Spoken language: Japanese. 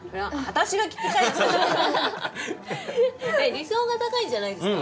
理想が高いんじゃないですか？